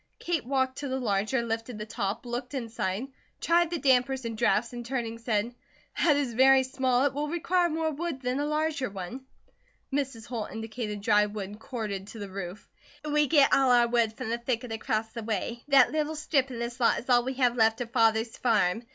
Kate walked to the larger, lifted the top, looked inside, tried the dampers and drafts and turning said: "That is very small. It will require more wood than a larger one." Mrs. Holt indicated dry wood corded to the roof. "We git all our wood from the thicket across the way. That little strip an' this lot is all we have left of father's farm.